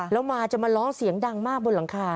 แล้วมาจะมาร้องเสียงดังมากบนหลังคา